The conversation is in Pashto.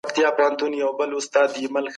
خپل نصیب و تر قفسه رسولی